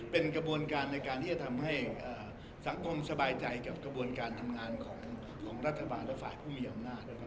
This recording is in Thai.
เป็นกระบวนการในการที่จะทำให้สังคมสบายใจกับกระบวนการทำงานของรัฐบาลและฝ่ายผู้มีอำนาจ